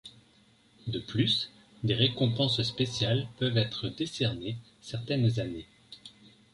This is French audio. De plus, des récompenses spéciales peuvent être décernées certaines années.